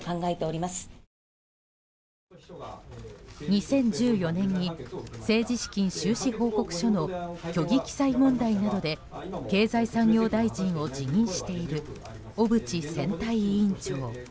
２０１４年に政治資金収支報告書の虚偽記載問題などで経済産業大臣を辞任している小渕選対委員長。